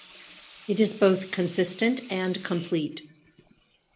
It is both consistent and complete.